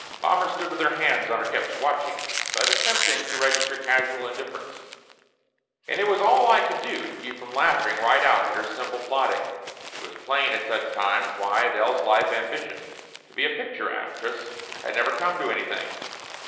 Mommer stood with her hands on her hips, watching me, but attempting to register casual indifference. And it was all I could do to keep from laughing right out at her simple plotting. It was plain at such times why Adele's life ambition to be a picture actress had never come to anything.